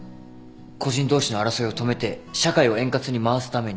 個人同士の争いを止めて社会を円滑に回すために。